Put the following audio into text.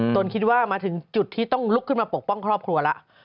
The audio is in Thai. คิดว่ามาถึงจุดที่ต้องลุกขึ้นมาปกป้องครอบครัวแล้ว